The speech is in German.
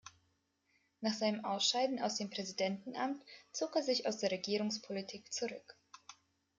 Nach seinem Ausscheiden aus dem Präsidentenamt zog er sich aus der Regierungspolitik zurück.